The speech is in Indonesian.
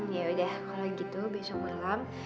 ya udah kalau gitu besok malam